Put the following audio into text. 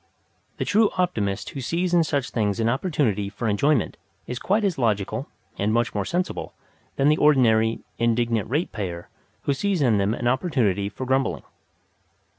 The true optimist who sees in such things an opportunity for enjoyment is quite as logical and much more sensible than the ordinary "Indignant Ratepayer" who sees in them an opportunity for grumbling.